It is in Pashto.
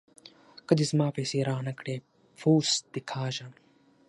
که دې زما پيسې را نه کړې؛ پوست دې کاږم.